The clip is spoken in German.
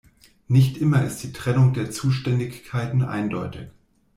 Nicht immer ist die Trennung der Zuständigkeiten eindeutig.